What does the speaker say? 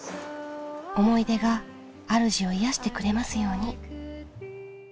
思い出があるじを癒やしてくれますように。